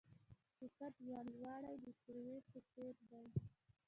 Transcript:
د قد لوړوالی د سروې په څیر دی.